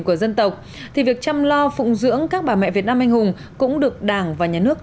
của dân tộc thì việc chăm lo phụng dưỡng các bà mẹ việt nam anh hùng cũng được đảng và nhà nước